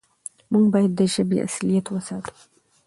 موږ بايد د ژبې اصالت وساتو.